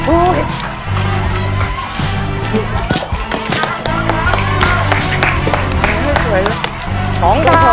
โอ้สวยเลยป่องท่า